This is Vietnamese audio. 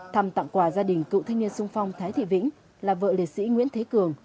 thăm tặng quà gia đình cựu thanh niên sung phong thái thị vĩnh là vợ liệt sĩ nguyễn thế cường